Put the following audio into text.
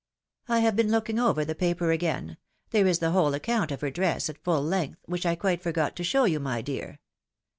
I have been looking over the paper again — ^there is the whole account of her dress at full length, which I quite forgot to show you, my dear.